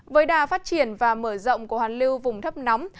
với đà phát triển và mở rộng của hoàn lưu vùng thấp nóng